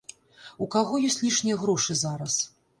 У каго ёсць лішнія грошы зараз?